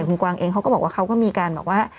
คุณกวางเองเขาก็บอกว่าเขาก็มีการบอกว่า